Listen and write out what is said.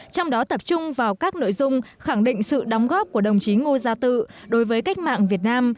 trong đó tập trung vào các nội dung khẳng định sự đóng góp của đồng chí ngô gia tự đối với cách mạng việt nam